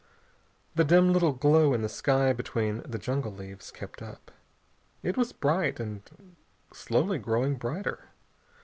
The dim little glow in the sky between the jungle leaves kept up. It was bright, and slowly growing brighter.